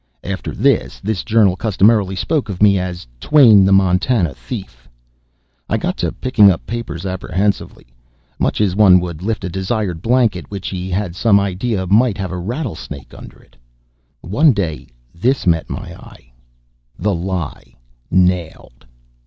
[After this, this journal customarily spoke of me as, "Twain, the Montana Thief."] I got to picking up papers apprehensively much as one would lift a desired blanket which he had some idea might have a rattlesnake under it. One day this met my eye: THE LIE NAILED.